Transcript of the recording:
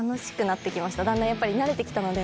だんだんやっぱり慣れて来たので。